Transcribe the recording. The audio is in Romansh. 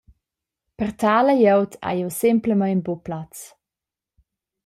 Per tala glieud hai jeu semplamein buca plaz.